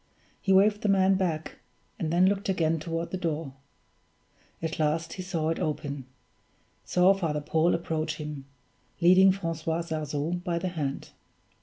He waved the man back, and then looked again toward the door. At last he saw it open saw Father Paul approach him, leading Francois Sarzeau by the hand.